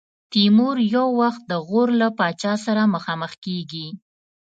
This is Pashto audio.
تیمور یو وخت د غور له پاچا سره مخامخ کېږي.